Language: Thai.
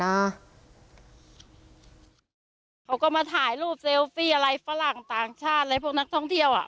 เขาก็มาถ่ายรูปเซลฟี่อะไรฝรั่งต่างชาติอะไรพวกนักท่องเที่ยวอ่ะ